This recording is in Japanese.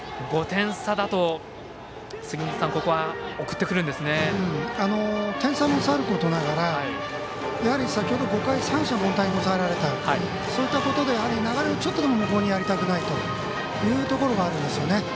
点差もさることながらやはり先ほど５回、三者凡退で抑えられたそういったことで流れをちょっとでも向こうにやりたくないというところがあるんですね。